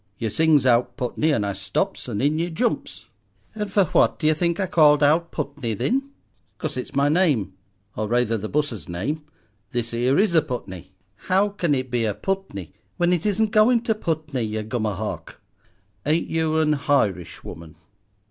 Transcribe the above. Yer sings out Putney, and I stops and in yer jumps." "And for what d'ye think I called out Putney thin?" "'Cause it's my name, or rayther the bus's name. This 'ere is a Putney." "How can it be a Putney whin it isn't goin' to Putney, ye gomerhawk?" "Ain't you an Hirishwoman?"